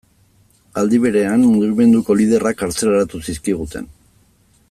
Aldi berean, mugimenduko liderrak kartzelaratu zizkiguten.